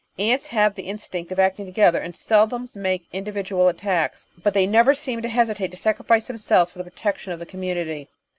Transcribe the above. Ants have the instinct of acting together and seldom make individual attacks, but they never seem to hesitate to sacrifice themselves for the protection of the conununity.